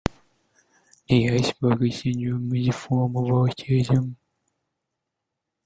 The Asperger syndrome is a form of autism.